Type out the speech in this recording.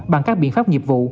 bằng các biện pháp nhiệm vụ